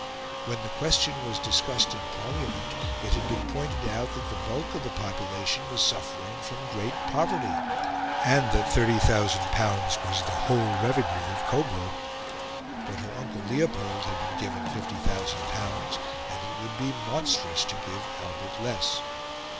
When the question was discussed in Parliament, it had been pointed out that the bulk of the population was suffering from great poverty, and that L30,000 was the whole revenue of Coburg; but her uncle Leopold had been given L50,000, and it would be monstrous to give Albert less.